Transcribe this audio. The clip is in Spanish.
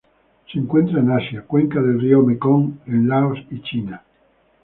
Se encuentran en Asia: cuenca del río Mekong en Laos y China.